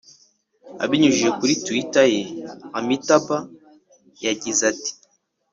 abinyujije kuri twitter ye, amitabh yagize ati